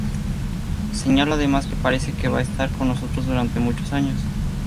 Señala además que “parece que va a estar con nosotros durante muchos años.